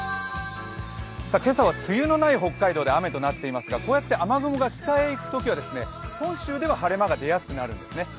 今朝は梅雨のない北海道で雨となっていますがこうやって雨雲が北へ行くときは本州では晴れ間が出やすくなるんですね。